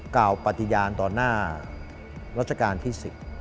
กล่าวปฏิญาณต่อหน้ารัชกาลที่๑๐